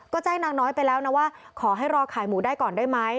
ก็แจ้งนางน้อยไปแล้วนะว่าขอให้รอขายหมูได้ก่อนได้ไหม